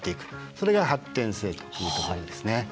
それが発展性というところですね。